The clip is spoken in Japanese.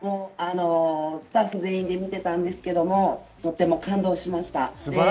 スタッフ全員で見ていたんですけれども、とても感動しました。